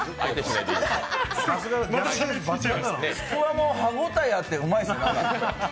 なんか、ちくわも歯応えあって、うまいですよ。